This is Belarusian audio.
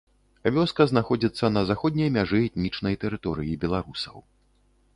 Вёска знаходзіцца на заходняй мяжы этнічнай тэрыторыі беларусаў.